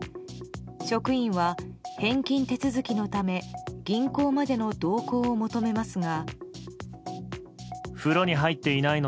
職員は返金手続きのため銀行までの同行を求めますが。